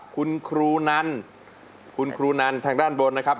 คุณครูนันคุณครูนันทางด้านบนนะครับ